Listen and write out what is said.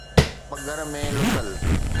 پگهر ۾ لٿل